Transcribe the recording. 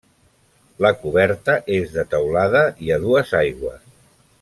La coberta és de teulada i a dues aigües.